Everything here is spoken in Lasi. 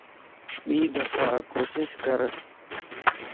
ٻي دفع ڪوشش ڪر